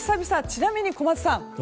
ちなみに小松さん